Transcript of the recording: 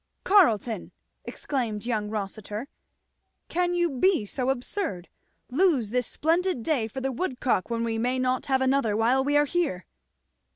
"Carleton!" exclaimed young Kossitur. "Can you be so absurd! Lose this splendid day for the woodcock when we may not have another while we are here!"